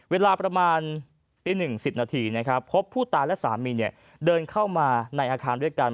เวลาประมาณตี๑๐นาทีนะครับพบผู้ตายและสามีเดินเข้ามาในอาคารด้วยกัน